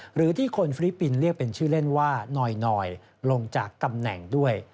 หรือที่คนฟิลิปปินส์เรียกเป็นชื่อเล่นว่านอยลงจากตำแหน่งด้วย